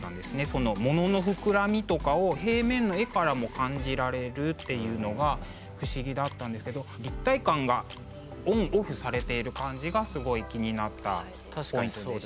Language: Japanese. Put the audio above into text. その物の膨らみとかを平面の絵からも感じられるっていうのが不思議だったんですけど立体感がオンオフされている感じがすごい気になったポイントでした。